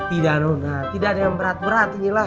tidak nona tidak ada yang berat berat ini lah